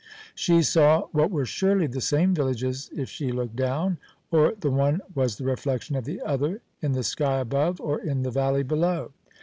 She saw what were surely the same villages if she looked down; or the one was the reflection of the other, in the sky above or in the valley below.